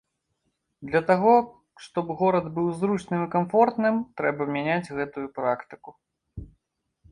Для таго, што б горад быў зручным і камфортным, трэба мяняць гэтую практыку.